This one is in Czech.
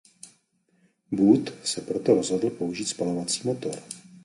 Booth se proto rozhodl použít spalovací motor.